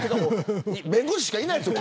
弁護士しかいないんですよ